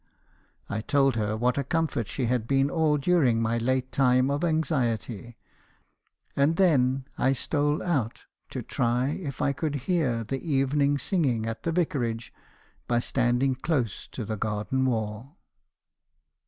I told her what a comfort she had been all during my late time of anxiety, and then I stole out to try if I could hear the evening singing at the Vicarage, by standing close to the garden wall.